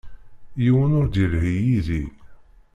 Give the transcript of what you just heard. Yiwen ur d-yelhi yid-i.